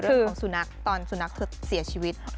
เรื่องของสุนัขตอนสุนัขเธอเสียชีวิต